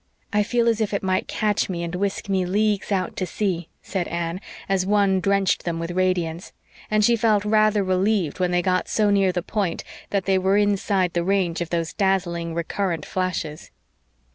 "I feel as if it might catch me and whisk me leagues out to sea," said Anne, as one drenched them with radiance; and she felt rather relieved when they got so near the Point that they were inside the range of those dazzling, recurrent flashes.